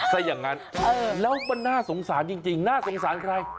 ซะอย่างนั้นแล้วมันน่าสงสารจริงน่าสงสารใคร